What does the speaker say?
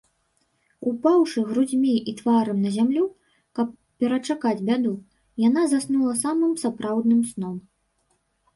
Упаўшы грудзьмі і тварам на зямлю, каб перачакаць бяду, яна заснула самым сапраўдным сном.